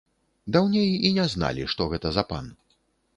Даўней і не зналі, што гэта за пан.